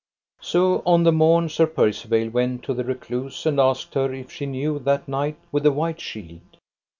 So on the morn Sir Percivale went to the recluse and asked her if she knew that knight with the white shield.